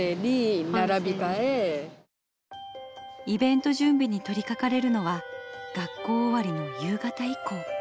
イベント準備に取りかかれるのは学校終わりの夕方以降。